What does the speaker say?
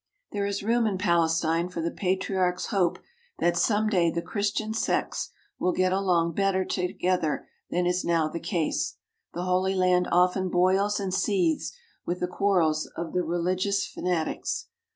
There is room in Palestine for the Patriarch's hope that some day the Christian sects will get along better together than is now the case. The Holy Land often boils and seethes with the quarrels of the religious fa natics.